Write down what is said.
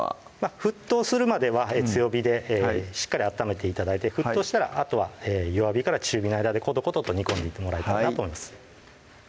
沸騰するまでは強火でしっかり温めて頂いて沸騰したらあとは弱火から中火の間でことことと煮込んでいってもらえたらなと思います